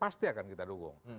pasti akan kita dukung